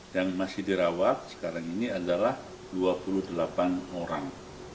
yang masih dirawat sekarang ini adalah dua puluh delapan orang